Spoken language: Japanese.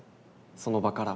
その場から。